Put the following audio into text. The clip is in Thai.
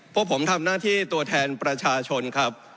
พวกผมทำหน้าที่ตัวแทนประชาชนครับ